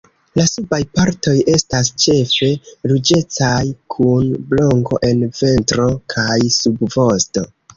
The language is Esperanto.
La subaj partoj estas ĉefe ruĝecaj kun blanko en ventro kaj subvosto.